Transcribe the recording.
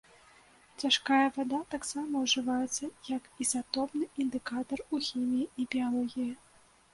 Цяжкая вада таксама ўжываецца як ізатопны індыкатар у хіміі і біялогіі.